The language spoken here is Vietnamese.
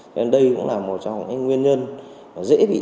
cho nên đây cũng là một trong những nguyên nhân dễ bị